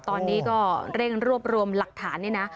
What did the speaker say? ตอนนี้ก็เร่งรวบรวมหลักฐานนี่นะ